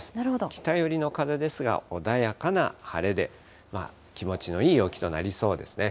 北寄りの風ですが、穏やかな晴れで、気持ちのいい陽気となりそうですね。